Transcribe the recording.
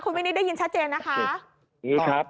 คุณวินิตได้ยินชัดเจนนะคะ